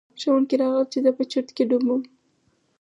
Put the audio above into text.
ښوونکي راغلل چې زه په چرت کې ډوب یم.